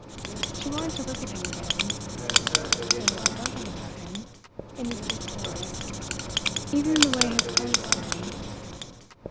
She wanted to look at him again—there was a something about him, in his deep voice, even in the way his clothes fitted.